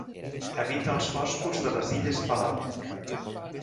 Habita els boscos de les illes Palau.